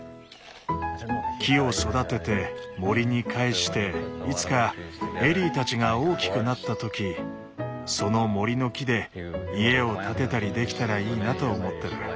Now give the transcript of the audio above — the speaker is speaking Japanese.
木を育てて森に還していつかエリーたちが大きくなった時その森の木で家を建てたりできたらいいなと思ってる。